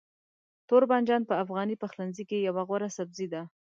توربانجان په افغاني پخلنځي کې یو غوره سبزی دی.